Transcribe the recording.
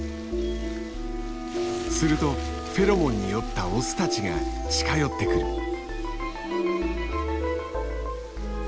するとフェロモンに酔ったオスたちが近寄ってくる。